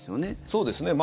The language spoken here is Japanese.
そうですね。